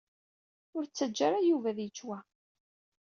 Ur ttaǧǧa ara Yuba ad yečč wa.